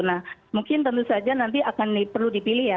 nah mungkin tentu saja nanti akan perlu dipilih ya